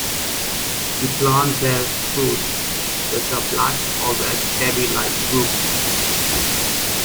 The plant bears fruits which are black or red berry-like drupe.